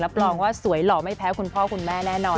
แล้วปลอมว่าสวยหล่อไม่แพ้ว่าคุณพ่อคุณแม่แน่นอน